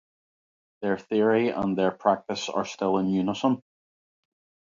Their theory and their practice are still in unison.